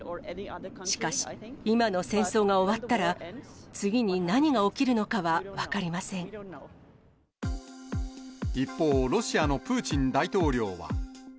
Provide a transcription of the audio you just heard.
しかし、今の戦争が終わったら、次に何が起きるのかは分かりませ一方、ロシアのプーチン大統領は。